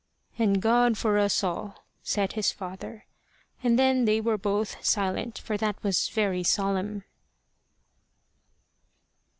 "And God for us all," said his father, and then they were both silent for that was very solemn.